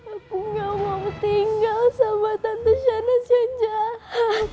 aku gak mau tinggal sama tante channes yang jahat